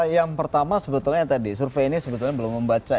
yang pertama sebetulnya tadi survei ini sebetulnya belum membaca